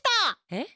えっ？